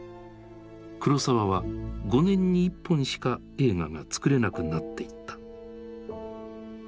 黒澤は５年に１本しか映画が作れなくなっていった。